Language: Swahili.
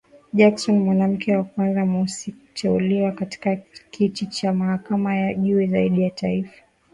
Jackson, mwanamke wa kwanza mweusi kuteuliwa katika kiti cha mahakama ya juu zaidi ya taifa,